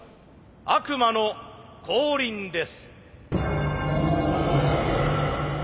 悪魔の降臨です。